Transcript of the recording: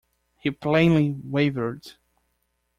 He plainly wavered.